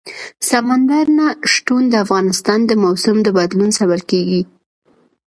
سمندر نه شتون د افغانستان د موسم د بدلون سبب کېږي.